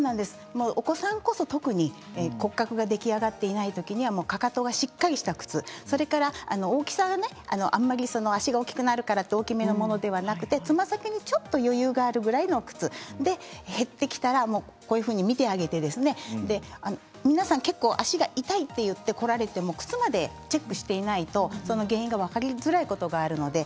お子さんこそ特に骨格が出来上がっていないときにはかかとがしっかりした靴、それから大きさ、あまり足が大きくなるからといって大きめなものではなくてつま先にちょっと余裕があるぐらいの靴、減ってきたら見てあげて皆さん結構、足が痛いといって来られても靴までチェックしていないと原因が分かりづらいことがあります。